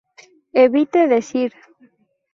Evite decir